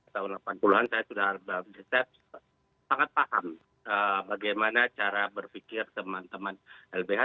tahun delapan puluh an saya sudah mendetep sangat paham bagaimana cara berpikir teman teman lbh